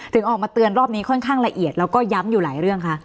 ออกมาเตือนรอบนี้ค่อนข้างละเอียดแล้วก็ย้ำอยู่หลายเรื่องค่ะ